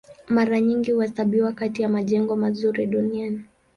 Mara nyingi huhesabiwa kati ya majengo mazuri duniani.